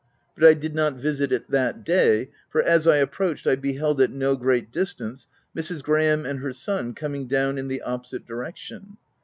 But I did not visit it that day ; for, as I approached, I beheld at no great distance, Mrs. Graham and her son coming down in the opposite di rection.